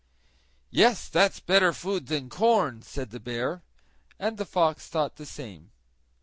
"Yes, that's better food than corn," said the bear; and the fox thought the same.